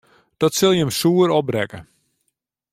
Dat sil jim soer opbrekke.